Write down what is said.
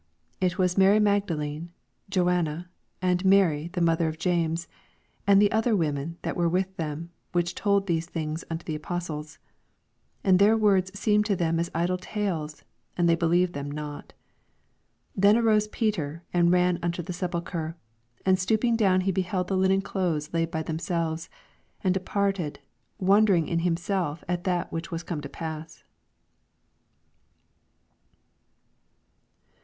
10 It was Mary Magdalene, and Joanna, and Mary the mothet of James, and other women that were with tnem, which told these things unto the apostles. 11 And their words seemed to them as idle tales, and they believed / them not. /f 12 Then arose Peter, and ran unto the sepulchre; and stoojping down, he beheld the linen clothes laid by themselves, and departed, wonder ing in himself at that which was come to pass.